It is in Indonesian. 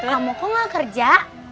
kamu kok gak kerja